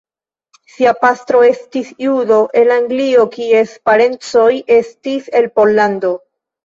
Sia patro estis judo el Anglio kies parencoj estis el Pollando.